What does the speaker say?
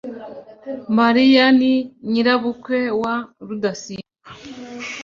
mariya ni nyirabukwe wa rudasingwa